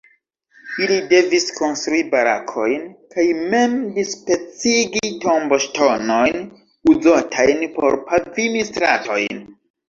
Ili devis konstrui barakojn kaj mem dispecigi tomboŝtonojn uzotajn por pavimi stratojn.